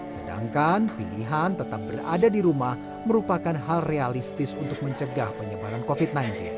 sedangkan pilihan tetap berada di rumah merupakan hal realistis untuk mencegah penyebaran covid sembilan belas